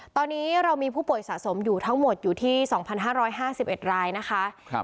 ตอนนี้เรามีผู้ป่วยสะสมอยู่ทั้งหมดอยู่ที่๒๕๕๑รายนะคะ